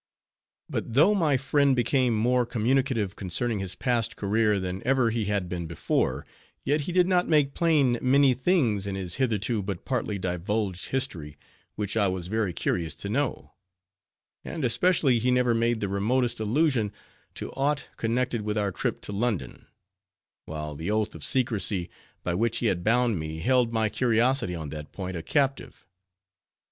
But though my friend became more communicative concerning his past career than ever he had been before, yet he did not make plain many things in his hitherto but partly divulged history, which I was very curious to know; and especially he never made the remotest allusion to aught connected with our trip to London; while the oath of secrecy by which he had bound me held my curiosity on that point a captive.